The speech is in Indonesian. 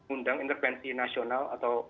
undang intervensi nasional atau